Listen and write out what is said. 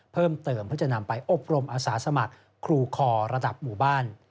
เพิ่มเติมเพื่อจะนำไปอบรมอาสาสมัครครูคอระดับหมู่บ้าน